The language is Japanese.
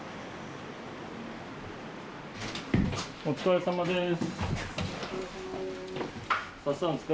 お疲れさまです。